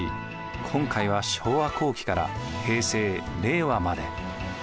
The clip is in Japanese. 今回は昭和後期から平成令和まで。